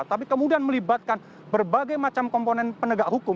tapi kemudian melibatkan berbagai macam komponen penegak hukum